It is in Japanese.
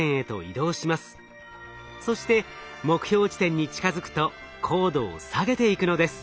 そして目標地点に近づくと高度を下げていくのです。